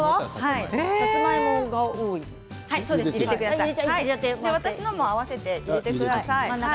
私が切ったものも合わせて入れてください。